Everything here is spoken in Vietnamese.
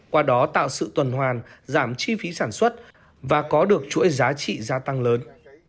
qua đó tạo sự tuần hoàn giảm chi phí sản xuất và có được chuỗi giá trị gia tăng lớn